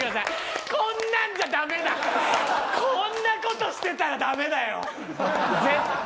こんな事してたらダメだよ絶対。